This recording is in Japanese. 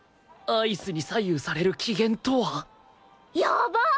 アイスに左右される機嫌とは？やばっ！